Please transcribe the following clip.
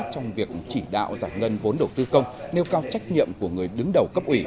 trong việc chỉ đạo giải ngân vốn đầu tư công nêu cao trách nhiệm của người đứng đầu cấp ủy